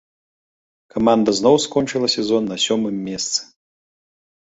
Каманда зноў скончыла сезон на сёмым месцы.